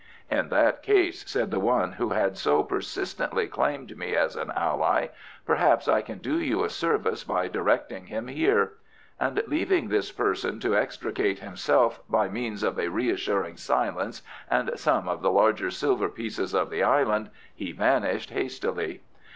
"In that case," said the one who had so persistently claimed me as an ally, "perhaps I can do you a service by directing him here"; and leaving this person to extricate himself by means of a reassuring silence and some of the larger silver pieces of the Island, he vanished hastily.